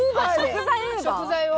食材を？